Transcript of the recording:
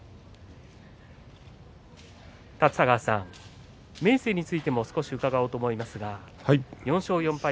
立田川さん、明生についても伺おうと思いますが４勝４敗